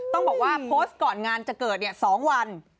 ต้องบอกว่าโพสต์ก่อนงานจะเกิด๒วัน